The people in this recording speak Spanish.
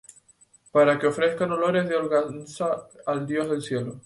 Para que ofrezcan olores de holganza al Dios del cielo.